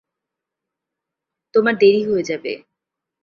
তোমার দেরি হয়ে যাবে।